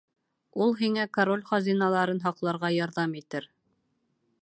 Ул һиңә король хазиналарын һаҡларға ярҙам итер.